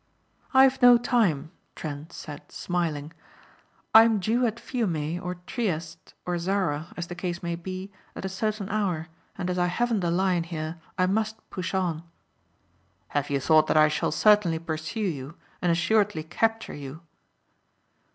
"I've no time," Trent said smiling. "I am due at Fiume or Trieste or Zara as the case may be at a certain hour and as I haven't the Lion here I must push on." "Have you thought that I shall certainly pursue you and assuredly capture you?"